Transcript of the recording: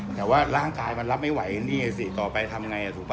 แต่ว่าร่างกายมันรับไม่ไหวนี่สิต่อไปทำไงถูกป่